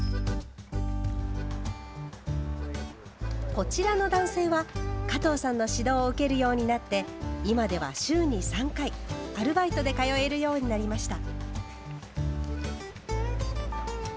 こちらの男性は加藤さんの指導を受けるようになって今では週に３回アルバイトで通えるようになりました。